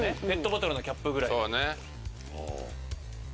ペットボトルのキャップくらい。